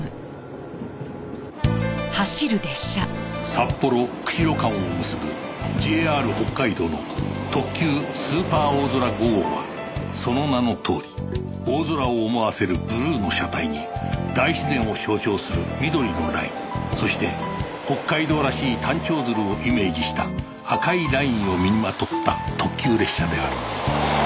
札幌釧路間を結ぶ ＪＲ 北海道の特急スーパーおおぞら５号はその名のとおり大空を思わせるブルーの車体に大自然を象徴する緑のラインそして北海道らしいタンチョウヅルをイメージした赤いラインを身にまとった特急列車である